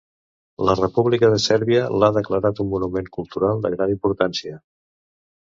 La República de Sèrbia l'ha declarat un monument cultural de gran importància.